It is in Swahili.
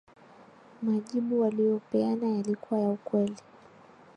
Majibu waliyopeana yalikuwa ya kweli